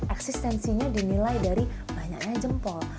eksistensinya dinilai dari banyaknya jempol